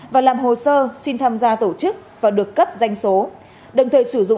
và làm hồ sơ xin tham gia tổ chức và được cấp danh số